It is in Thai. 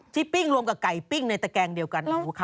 ปิ้งรวมกับไก่ปิ้งในตะแกงเดียวกัน